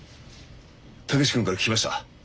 武志君から聞きました。